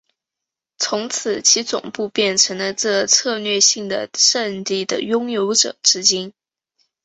从此其总部变成了这策略性的圣地的拥有者至今。